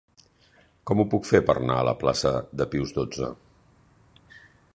Com ho puc fer per anar a la plaça de Pius dotze?